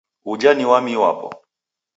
Uja ni wamii wapo.